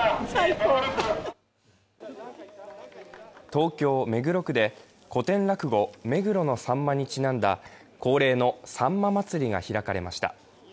東京・目黒区で古典落語「目黒のさんま」にちなんだ恒例のさんま祭りが開かれました。